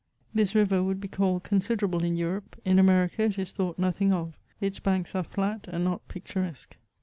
This river would be called considerable in Europe ; in America it is thought nothing of ; its banks are flat and not picturesque.